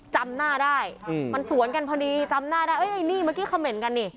จำหน้าได้มันสวนกันพอดีจำหน้าได้เอ้ยไอ้นี่เมื่อกี้คำเหน่นกันนี่